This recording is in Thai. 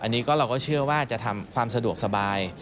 อันนี้ก็เราก็เชื่อว่าจะทำความสะดวกสบาย